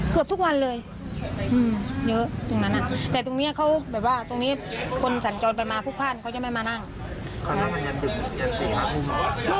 เกือบทุกวันเลยเยอะตรงนั้นแต่ตรงเนี้ยเขาแบบว่าตรงนี้คนสัญจรไปมาพลุกพ่านเขาจะไม่มานั่ง